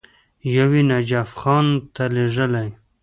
یو یې نجف خان ته لېږلی.